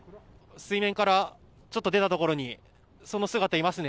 水面からちょっと出たところにその姿いますね。